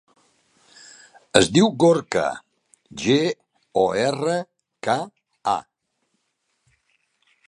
Es diu Gorka: ge, o, erra, ca, a.